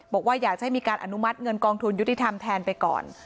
บอกว่าอยากจะให้มีการอนุมัติเงินกองทุนยุติธรรมแทนไปก่อน